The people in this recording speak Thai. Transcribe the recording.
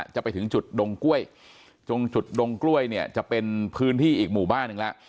จะไปถึงจุดดงกล้วยจงจุดดงกล้วยเนี่ยจะเป็นพื้นที่อีกหมู่บ้านหนึ่งแล้ว